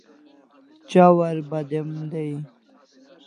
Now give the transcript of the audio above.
Chawar badem day